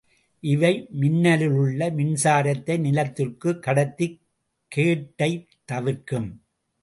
இவை மின்னலிலுள்ள மின்சாரத்தை நிலத்திற்குக் கடத்திக் கேட்டைத் தவிர்க்கும்.